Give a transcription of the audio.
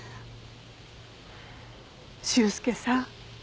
修介さん。